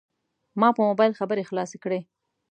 ما په موبایل خبرې خلاصې کړې.